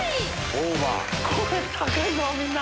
これ高いぞみんな！